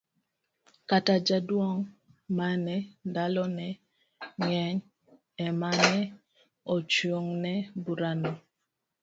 Kata, jaduong mane ndalo ne ngeny emane ochung' ne bura no.